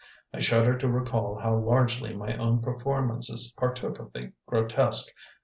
I shudder to recall how largely my own performances partook of the grotesque.